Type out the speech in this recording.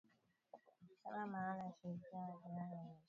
kusema maana ya ushirikiano na jirani aiyeheshimu maneno na ahadi zake